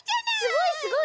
すごいすごい！